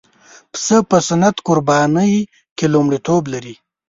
پسه په سنت قربانۍ کې لومړیتوب لري.